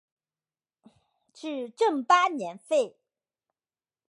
至正八年废。